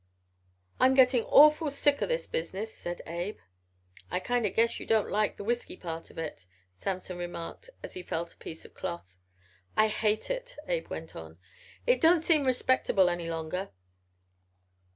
"I'm getting awful sick o' this business," said Abe. "I kind o' guess you don't like the whisky part of it," Samson remarked, as he felt a piece of cloth. "I hate it," Abe went on. "It don't seem respectable any longer."